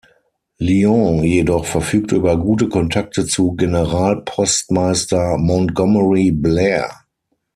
Lyon jedoch verfügte über gute Kontakte zu Generalpostmeister Montgomery Blair.